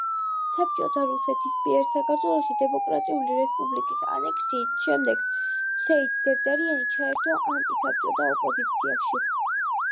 საბჭოთა რუსეთის მიერ საქართველოს დემოკრატიული რესპუბლიკის ანექსიის შემდეგ, სეით დევდარიანი ჩაერთო ანტი-საბჭოთა ოპოზიციაში.